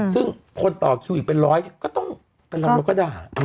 ซึ่งคนต่อคิวอีกเป็นร้อยก็ต้องเป็นลำแล้วก็ด่า